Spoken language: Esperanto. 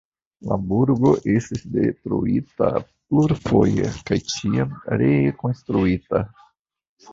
La burgo estis detruita plurfoje kaj ĉiam ree konstruita.